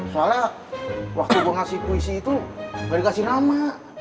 soalnya waktu gue ngasih puisi itu gak dikasih nama